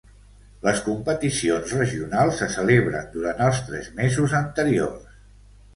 Les competicions regionals se celebren durant els tres mesos anteriors.